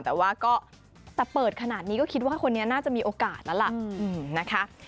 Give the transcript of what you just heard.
แต่ว่าก็แต่เปิดขนาดนี้ก็คิดว่าคนนี้น่าจะมีโอกาสแล้วล่ะนะคะ